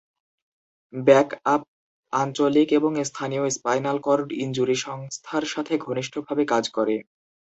Back up আঞ্চলিক এবং স্থানীয় স্পাইনাল কর্ড ইনজুরি সংস্থার সাথে ঘনিষ্ঠভাবে কাজ করে।